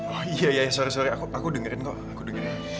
oh iya iya sorry sorry aku dengerin kok aku dengerin